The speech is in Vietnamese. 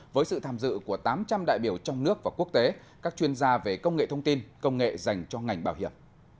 với sự tham dự của tám trăm linh đại biểu trong nước và quốc tế các chuyên gia về công nghệ thông tin công nghệ dành cho ngành bảo hiểm